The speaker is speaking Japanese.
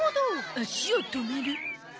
足を止める？